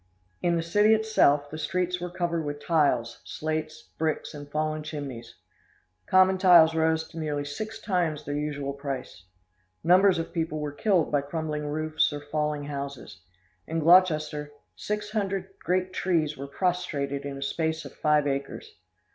In the city itself, the streets were covered with tiles, slates, bricks, and fallen chimneys. Common tiles rose to nearly six times their usual price. Numbers of people were killed by crumbling roofs or falling houses. In Gloucester, six hundred great trees were prostrated in a space of five acres.